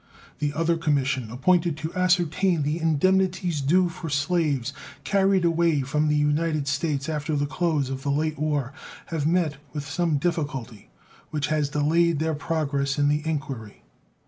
The other commission, appointed to ascertain the indemnities due for slaves carried away from the United States after the close of the late war, have met with some difficulty, which has delayed their progress in the inquiry.